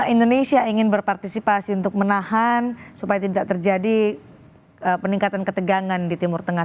indonesia ingin berpartisipasi untuk menahan supaya tidak terjadi peningkatan ketegangan di timur tengah